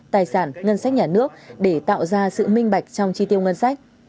tài sản ngân sách nhà nước để tạo ra sự minh bạch trong chi tiêu ngân sách